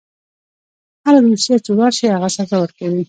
هره دوسیه چې ورشي هغه سزا ورکوي.